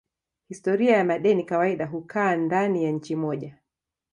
Historia ya madeni kawaida hukaa ndani ya nchi moja.